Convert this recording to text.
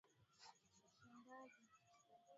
Misimu ya baridi na unyevunyevu